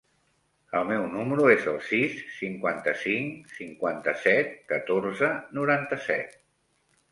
El meu número es el sis, cinquanta-cinc, cinquanta-set, catorze, noranta-set.